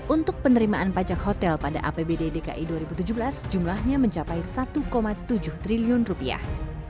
untuk penerimaan pajak hotel pada apbd dki dua ribu tujuh belas jumlahnya mencapai satu tujuh triliun rupiah